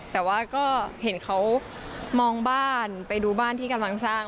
แต่ว่าก็เห็นเขามองบ้านไปดูบ้านที่กำลังสร้าง